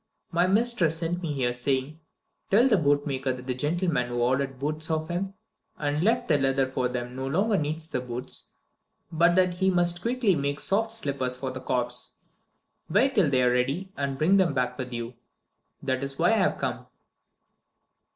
My mistress sent me here, saying: 'Tell the bootmaker that the gentleman who ordered boots of him and left the leather for them no longer needs the boots, but that he must quickly make soft slippers for the corpse. Wait till they are ready, and bring them back with you.' That is why I have come."